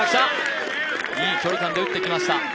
いい距離感で打ってきました